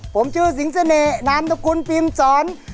ผมชื่อสิงสะเนยนามตระกุลปิมสรรค์